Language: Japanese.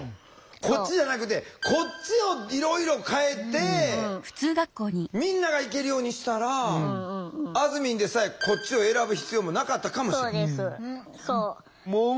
こっちじゃなくてこっちをいろいろ変えてみんなが行けるようにしたらあずみんでさえこっちを選ぶ必要もなかったかもしれへん。